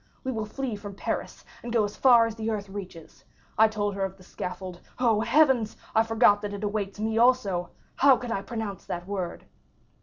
We will flee from Paris and go as far as the earth reaches. I told her of the scaffold; oh, Heavens, I forgot that it awaits me also! How could I pronounce that word?